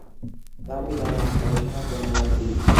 তার পিতার নাম কমিশনার জয়নাল আবেদীন।